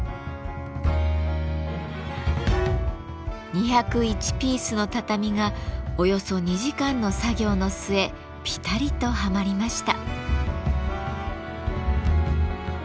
２０１ピースの畳がおよそ２時間の作業の末ぴたりとはまりました。